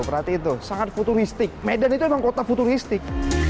perhatikan tuh sangat futuristik medan itu memang kota futuristik